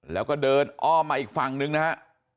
แล้วก็เดินอ้อมมาอีกฝั่งนึงนะฮะ